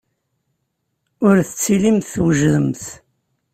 Ur tettilimt twejdemt.